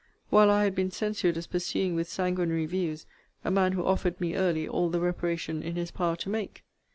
While I had been censured as pursuing with sanguinary views a man who offered me early all the reparation in his power to make?